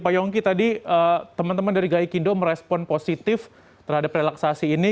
pak yongki tadi teman teman dari gaikindo merespon positif terhadap relaksasi ini